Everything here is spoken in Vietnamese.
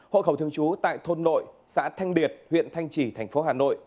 hộ khẩu thường trú tại thôn nội xã thanh liệt huyện thanh trì thành phố hà nội